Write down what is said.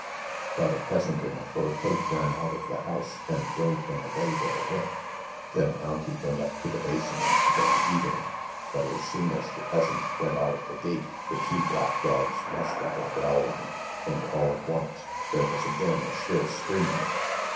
But a peasant in a fur coat ran out of the house and drove them away with a whip; then Auntie went up to the basin and began eating, but as soon as the peasant went out of the gate, the two black dogs rushed at her growling, and all at once there was again a shrill scream.